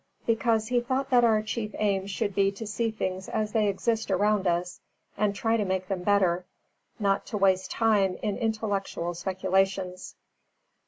Because he thought that our chief aim should be to see things as they exist around us and try to make them better, not to waste time in intellectual speculations.